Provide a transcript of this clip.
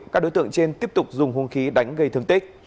các đối tượng trên tiếp tục dùng hung khí đánh gây thương tích